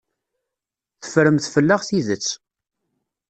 Teffremt fell-aɣ tidet.